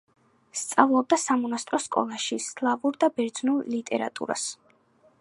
სწავლობდა სამონასტრო სკოლაში სლავურ და ბერძნულ ლიტერატურას.